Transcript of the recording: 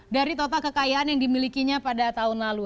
dari total kekayaan yang dimilikinya pada tahun lalu